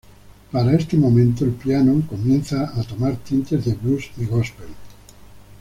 Para este momento, el piano comienza a tomar tintes de blues y gospel.